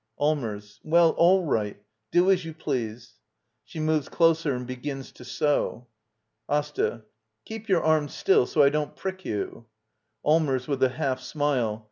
Allmers. Well, all right — do as you please. [She moves closer and begins to sew.] AsTA. Keep your arm still — so I don't prick you. Allmers. [With a half smile.